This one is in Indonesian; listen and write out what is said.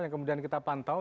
yang kemudian kita pantau